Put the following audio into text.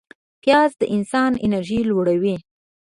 پیاز د انسان انرژي لوړوي